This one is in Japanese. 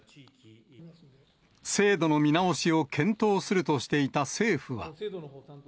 制度の見直しを検討するとしていた政府は。